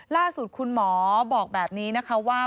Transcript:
ล่าสุดคุณหมอบอกแบบนี้นะคะว่า